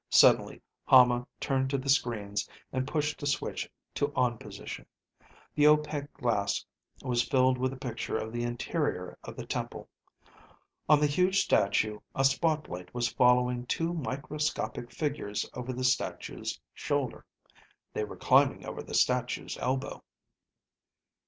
Suddenly Hama turned to the screens and pushed a switch to on position. The opaque glass was filled with a picture of the interior of the temple. On the huge statue, a spotlight was following two microscopic figures over the statue's shoulder. They were climbing over the statue's elbow.